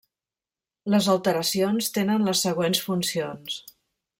Les alteracions tenen les següents funcions.